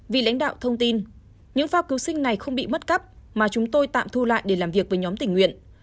vì lãnh đạo thông tin những phao cứu sinh này không bị mất cắp mà chúng tôi tạm thu lại để làm việc với nhóm tình nguyện